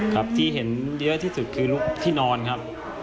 ครับที่เห็นเยอะที่สุดคือลูกที่นอนครับ